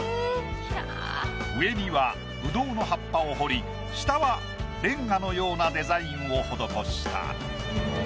上にはブドウの葉っぱを彫り下はレンガのようなデザインを施した。